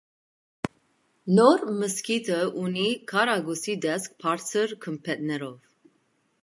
Նոր մզկիթը ունի քառակուսի տեսք՝ բարձր գմբեթներով։